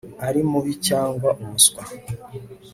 Ari mubi cyangwa umuswa